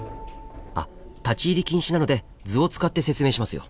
あ立ち入り禁止なので図を使って説明しますよ。